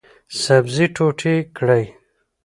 سبزي ټوټې کړئ